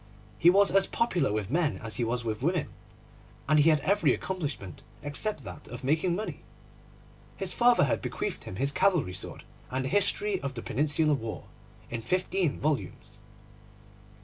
He was as popular with men as he was with women and he had every accomplishment except that of making money. His father had bequeathed him his cavalry sword and a History of the Peninsular War in fifteen volumes.